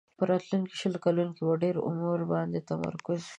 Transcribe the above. په راتلونکو شلو کلونو کې به په ډېر عمر باندې تمرکز وي.